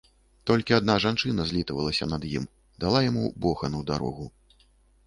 Толькі адна жанчына злітавалася над ім, дала яму бохан у дарогу.